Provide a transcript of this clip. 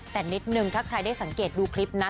แต่นิดนึงถ้าใครได้สังเกตดูคลิปนะ